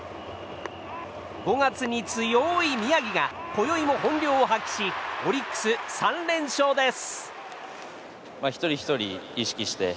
５月に強い宮城がこよいも本領を発揮しオリックス、３連勝です。